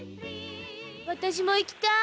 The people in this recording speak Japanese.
私も行きたい！